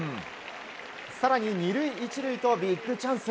更に２塁１塁とビッグチャンス。